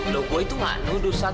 loh gua itu gak nuduh sat